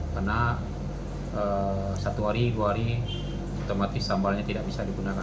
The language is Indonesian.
karena satu hari dua hari otomatis sambalnya tidak bisa digunakan